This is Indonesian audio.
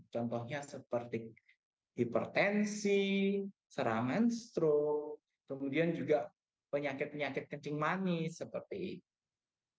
contohnya seperti hipertensi serangan strok kemudian juga penyakit penyakit kencing manis seperti itu